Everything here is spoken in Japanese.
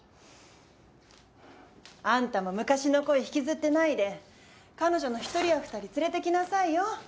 あんたも昔の恋引きずってないで彼女の１人や２人連れてきなさいよ。